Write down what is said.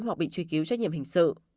hoặc bị truy cứu trách nhiệm hình sự